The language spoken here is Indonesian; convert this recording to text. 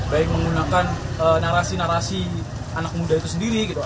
baik menggunakan narasi narasi anak muda itu sendiri gitu